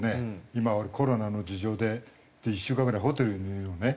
今コロナの事情で１週間ぐらいホテルにいるのね。